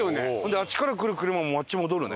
あっちから来る車もあっち戻るね。